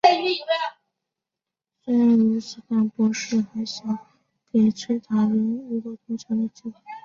虽然如此但博士还想给桑塔人一个投降的机会。